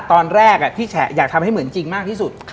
ตอนแรกพี่แฉะอยากทำให้เหมือนจริงมากที่สุด